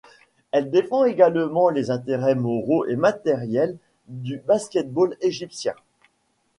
Elle défend également les intérêts moraux et matériels du basket-ball égyptien.